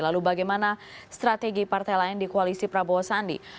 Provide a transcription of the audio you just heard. lalu bagaimana strategi partai lain di koalisi prabowo sandi